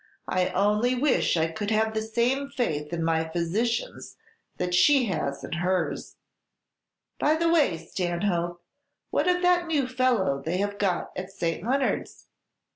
"I only wish I could have the same faith in my physicians that she has in hers! By the way, Stanhope, what of that new fellow they have got at St. Leonard's?